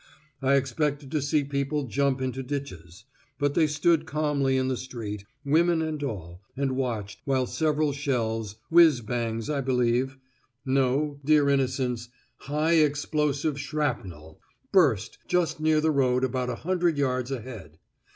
I expected to see people jump into ditches; but they stood calmly in the street, women and all, and watched, while several shells (whizz bangs, I believe)" No, dear innocence, HIGH EXPLOSIVE SHRAPNEL "burst just near the road about a hundred yards ahead.